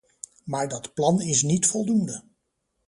Maar dat plan is niet voldoende.